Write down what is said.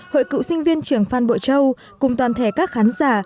hội cựu sinh viên trường phan bộ châu cùng toàn thể các khán giả